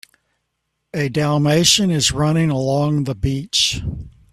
A dalmation is running along the beach